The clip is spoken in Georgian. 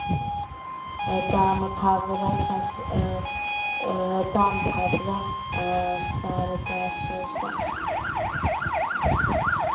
დაამთავრა სარაგოსას სამხედრო აკადემია.